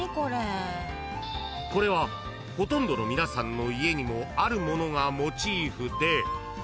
［これはほとんどの皆さんの家にもあるものがモチーフで］